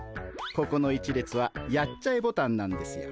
ここの１列はやっちゃえボタンなんですよ。